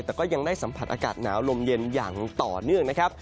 แต่ก็ยังได้สัมผัสอากาศหนาวลมเย็นอย่างต่อเนื่องนะครับ